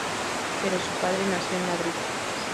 Pero su padre nació en Madrid.